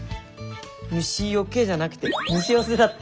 「虫よけ」じゃなくて「虫よせ」だって。